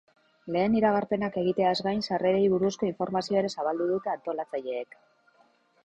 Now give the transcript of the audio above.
Lehen iragarpenak egiteaz gain, sarrerei buruzko informazioa ere zabaldu dute antolatzaileek.